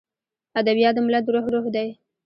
ادبیات د ملت د روح روح دی.